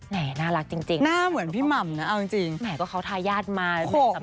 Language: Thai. น่ารักจริงหน้าเหมือนพี่หม่ำนะเอาจริงแหมก็เขาทายาทมา